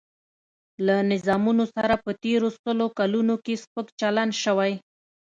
له نظامونو سره په تېرو سلو کلونو کې سپک چلن شوی.